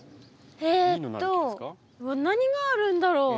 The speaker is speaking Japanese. えと何があるんだろう？